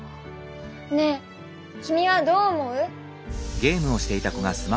ねえ君はどう思う？